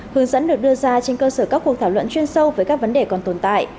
hướng dẫn được đưa ra trên cơ sở các cuộc thảo luận chuyên sâu với các vấn đề còn tồn tại